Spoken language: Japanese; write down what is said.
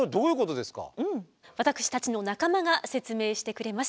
私たちの仲間が説明してくれます。